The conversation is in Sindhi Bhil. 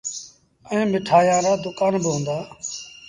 ائيٚݩ مٺآيآن رآ دُڪآن با هُݩدآ۔